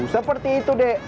seperti itu deh